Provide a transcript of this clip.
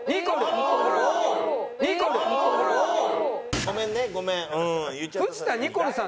ごめんねごめん。